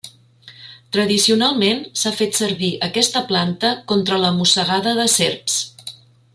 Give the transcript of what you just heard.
Tradicionalment s'ha fet servir aquesta planta contra la mossegada de serps.